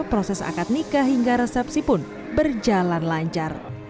proses akad nikah hingga resepsi pun berjalan lancar